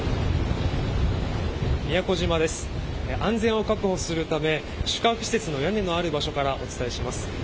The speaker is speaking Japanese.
安全を確保するため宿泊施設に屋根のある場所からお伝えします。